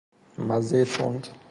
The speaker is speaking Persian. مزهی تند